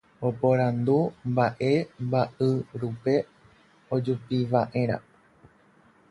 Oporandu mba'e mba'yrúpe ojupiva'erã.